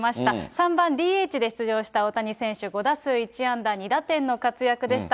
３番ＤＨで出場した大谷選手、５打数１安打２打点の活躍でした。